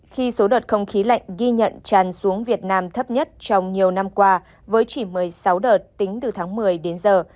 khi số đợt không khí lạnh ghi nhận tràn xuống việt nam thấp nhất trong nhiều năm qua với chỉ một mươi sáu đợt tính từ tháng một mươi đến giờ